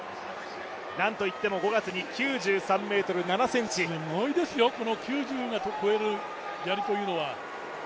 なんといっても５月に９３ｍ７ｃｍすごいですよ、９０を越えるやりというのは。